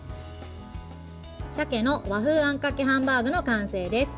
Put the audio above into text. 鮭の和風あんかけハンバーグの完成です。